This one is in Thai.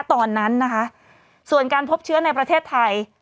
ตอนนั้นนะคะส่วนการพบเชื้อในประเทศไทย